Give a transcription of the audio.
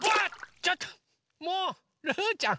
ちょっともうルーちゃん